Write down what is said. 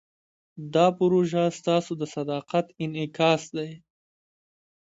دا پروژه ستاسو د صداقت انعکاس دی.